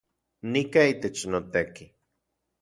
Nika itech noteki